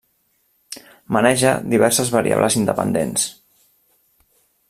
Maneja diverses variables independents.